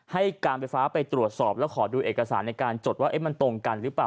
ให้การไฟฟ้าไปตรวจสอบแล้วขอดูเอกสารในการจดว่ามันตรงกันหรือเปล่า